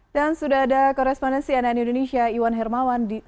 dan sudah ada korespondensi anak indonesia iwan hermawan